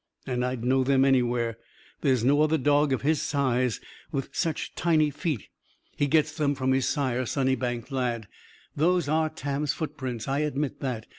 And I'd know them anywhere. There's no other dog of his size with such tiny feet. He gets them from his sire, Sunnybank Lad. Those are Tam's footprints, I admit that.